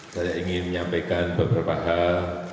saya ingin menyampaikan beberapa hal